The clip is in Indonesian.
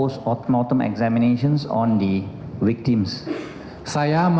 saya melakukan pemeriksaan